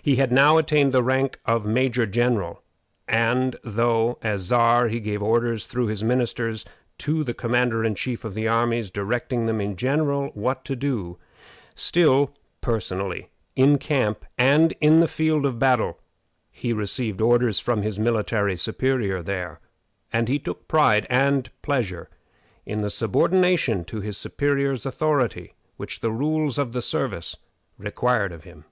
He had now attained the rank of major general; and though, as Czar, he gave orders through his ministers to the commander in chief of the armies directing them in general what to do, still personally, in camp and in the field of battle, he received orders from his military superior there; and he took a pride and pleasure in the subordination to his superior's authority which the rules of the service required of him.